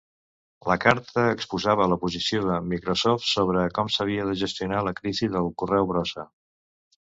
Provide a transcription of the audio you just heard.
La carta exposava la posició de Microsoft sobre com s'havia de gestionar la crisi del correu brossa.